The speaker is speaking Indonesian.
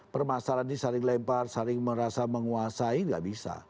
permasalahan ini saling lempar saling merasa menguasai nggak bisa